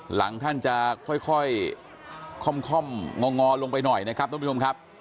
หลังท่านจะค่อยค่อมงอลงไปหน่อยนะครับท่านผู้ชมครับ